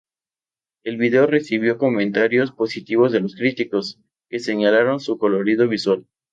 El vídeo recibió comentarios positivos de los críticos, que señalaron su colorido visual.